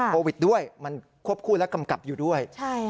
โควิดด้วยมันควบคู่และกำกับอยู่ด้วย